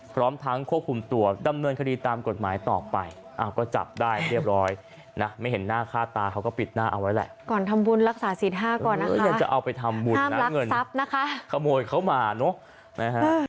พร้อมทั้งควบคุมตัวดำเนินคดีตามกฎหมายต่อไปอ้าวก็จับได้เรียบร้อยนะไม่เห็นหน้าค่าตาเขาก็ปิดหน้าเอาไว้แหละก่อนทำบุญรักษาศีลห้าก่อนนะคะอยากจะเอาไปทำบุญนะเงินทรัพย์นะคะขโมยเขามาเนอะนะฮะ